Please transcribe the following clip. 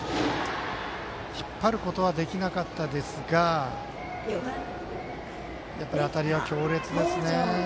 引っ張ることはできなかったですがやっぱり当たりは強烈ですね。